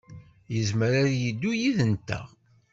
Yezmer ad yeddu yid-nteɣ.